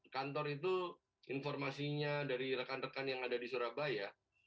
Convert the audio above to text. kantor itu informasinya dari rekan rekan yang ada di surabaya